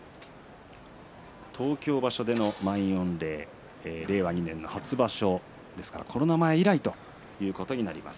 東京場所での満員御礼、令和２年の初場所ですからコロナ前以来ということになります。